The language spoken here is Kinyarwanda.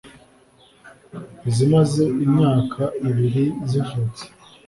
izimaze imyaka ibiri zivutse